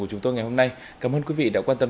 của chúng tôi ngày hôm nay cảm ơn quý vị đã quan tâm